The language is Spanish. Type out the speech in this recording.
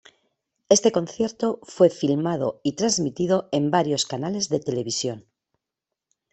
Este concierto fue filmado y trasmitido en varios canales de televisión.